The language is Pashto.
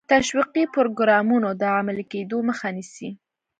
تشویقي پروګرامونو د عملي کېدو مخه نیسي.